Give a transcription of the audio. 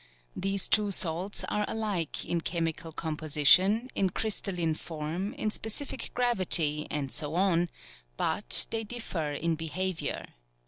These two salts are alike in chemical composition, in crystalline form, in specific gravity, and so on, but they differ in behaviour.